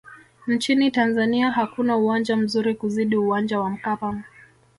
nchini tanzania hakuna uwanja mzuri kuzidi uwanja wa mkapa